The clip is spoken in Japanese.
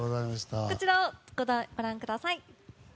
こちらをご覧ください。